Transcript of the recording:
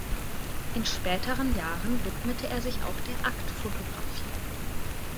In späteren Jahren widmete er sich auch der Aktfotografie.